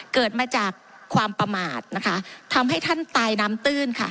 เกิดมาจากความประมาทนะคะทำให้ท่านตายน้ำตื้นค่ะ